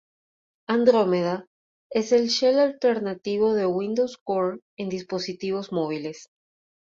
Andrómeda es el Shell alternativo de Windows Core en dispositivos móviles.